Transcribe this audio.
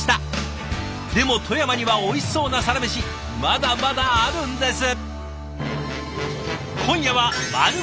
でも富山にはおいしそうなサラメシまだまだあるんです！